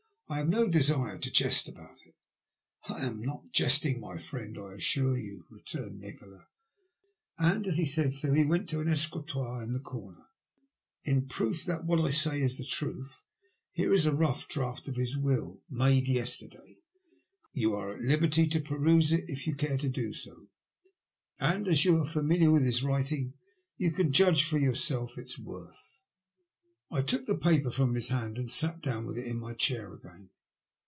I have no desire to jest about it." '' I am not jesting, my friend, I assure you," re turned Nikola, and, as he said so, he went to an escritoire in the comer. *' In proof that what I say is the truth, here is a rough draft of his will, made yesterday. You are at liberty to peruse it if you care to do so, and as you are familiar with his writing, you can judge for yourself of its worth." I took the paper from his hand and sat down with it in my chair again.